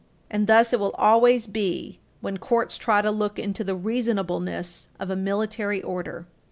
And thus it will always be when courts try to look into the reasonableness of a military order.